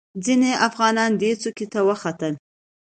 ځینې افغانان دې څوکې ته وختل.